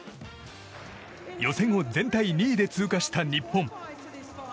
予選を全体２位で通過した日本。